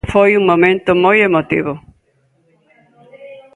Foi un momento moi emotivo.